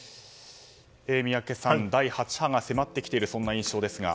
宮家さん、第８波が迫ってきている印象ですが。